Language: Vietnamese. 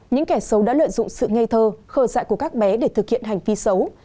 những kẻ xấu đã lợi dụng sự ngây thơ khờ dạ của các bé để thực hiện hành vi xấu